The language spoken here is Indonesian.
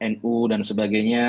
nu dan sebagainya